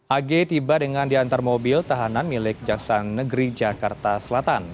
ag tiba dengan diantar mobil tahanan milik jaksan negeri jakarta selatan